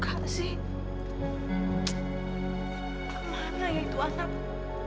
kemana ya itu anak